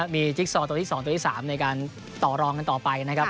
มีจิ๊กซอตัวที่๒ตัวที่๓ในการต่อรองกันต่อไปนะครับ